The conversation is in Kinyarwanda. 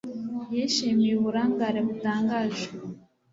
Yishimiye uburangare butangaje